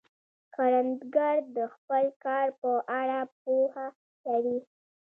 کروندګر د خپل کار په اړه پوهه لري